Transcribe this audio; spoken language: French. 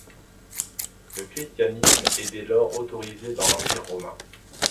Le christianisme est dès lors autorisé dans l’Empire romain.